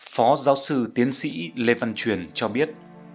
phó giáo sư tiến sĩ lê văn truyền cho biết